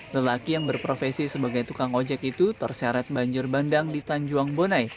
lelaki yang berprofesi sebagai tukang ojek itu terseret banjir bandang di tanjuang bonai